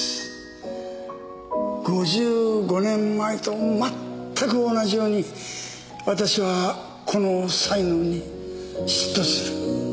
５５年前とまったく同じように私はこの才能に嫉妬する。